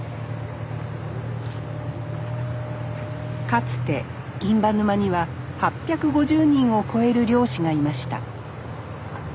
かつて印旛沼には８５０人を超える漁師がいました。